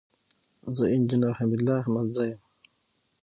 زه انجينر حميدالله احمدزى يم.